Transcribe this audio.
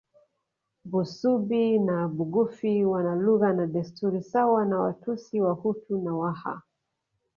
Busubi na Bugufi wana lugha na desturi sawa na Watusi Wahutu na Waha